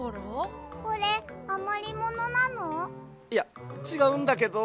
いやちがうんだけど。